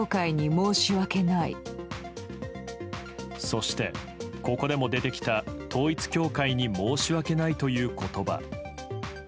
そして、ここでも出てきた統一教会に申し訳ないという言葉。